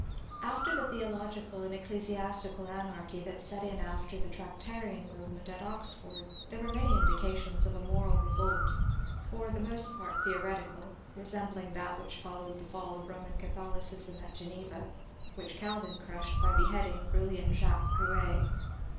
" After the theological and ecclesiastical anarchy that set in after the Tractarian movement at Oxford there were many indications of a moral revolt, — for the most part theoretical, — resembling that which followed the fall of Roman Catholi cism at Geneva, which Calvin crushe<l by beheading brilliant Jacques Gruet.